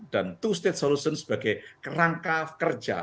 dan two state solution sebagai kerangka kerja